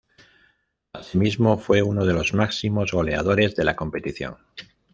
Asimismo, fue uno de los máximos goleadores de la competición.